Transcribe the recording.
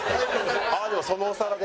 ああーでもそのお皿で？